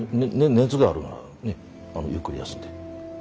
熱があるならねゆっくり休んで。